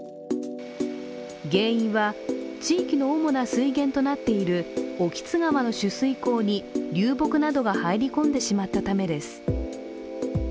原因は、地域の主な水源となっている興津川の取水口に流木などが入り込んでしまったためです。